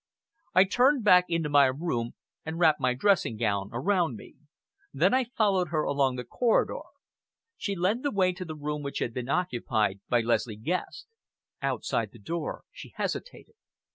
I turned back into my room and wrapped my dressing gown around me. Then I followed her along the corridor. She led the way to the room which had been occupied by Leslie Guest. Outside the door she hesitated.